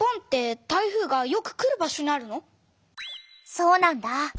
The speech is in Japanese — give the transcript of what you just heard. そうなんだ。